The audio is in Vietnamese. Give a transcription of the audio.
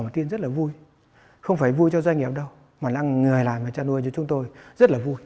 tin rất là vui không phải vui cho doanh nghiệp đâu mà là người làm và cho nuôi cho chúng tôi rất là vui